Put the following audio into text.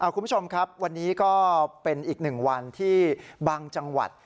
คุณผู้ชมครับวันนี้ก็เป็นอีกหนึ่งวันที่บางจังหวัด